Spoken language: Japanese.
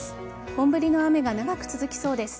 本降りの雨が長く続きそうです。